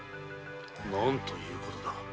何ということだ。